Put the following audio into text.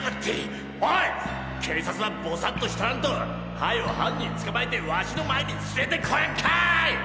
警察はボサッとしとらんとはよ犯人捕まえてワシの前に連れて来やんかい！